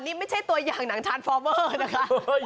นี่ไม่ใช่ตัวอย่างหนังทานฟอร์เวอร์นะคะ